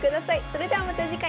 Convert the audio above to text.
それではまた次回。